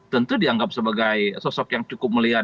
tentu dianggap sebagai sosok yang cukup melihat